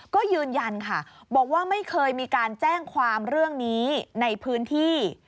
ก็ยืนยันค่ะบอกว่าไม่เคยมีการแจ้งความเรื่องนี้ในพื้นที่